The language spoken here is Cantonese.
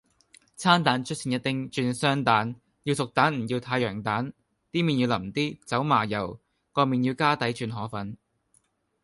餐蛋出前一丁轉雙蛋，要熟蛋唔要太陽蛋，啲麵要淋啲，走麻油，個麵要加底轉河粉